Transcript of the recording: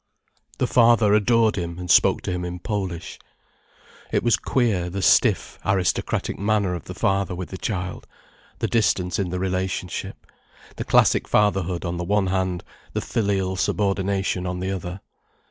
The father adored him, and spoke to him in Polish. It was queer, the stiff, aristocratic manner of the father with the child, the distance in the relationship, the classic fatherhood on the one hand, the filial subordination on the other.